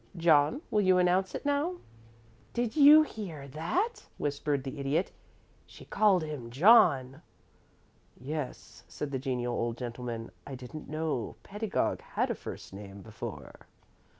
John, will you announce it now?" "Did you hear that?" whispered the Idiot. "She called him 'John.'" "Yes," said the genial old gentleman. "I didn't know Pedagog had a first name before."